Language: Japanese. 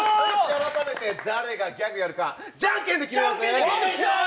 改めて誰がギャグやるかじゃんけんで決めようぜ！